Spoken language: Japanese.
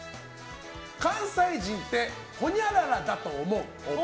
関西人ってほにゃららだと思う！